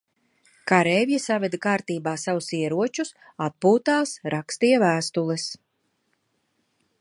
Kareivji saveda kārtībā savus ieročus, atpūtās, rakstīja vēstules.